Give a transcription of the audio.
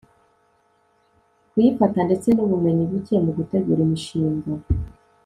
kuyifata ndetse n ubumenyi buke mu gutegura imishinga